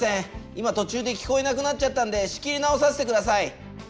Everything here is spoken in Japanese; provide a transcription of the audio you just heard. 今とちゅうで聞こえなくなっちゃったんで仕切りなおさせてください。